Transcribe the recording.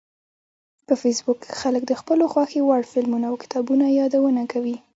په فېسبوک کې خلک د خپلو خوښې وړ فلمونو او کتابونو یادونه کوي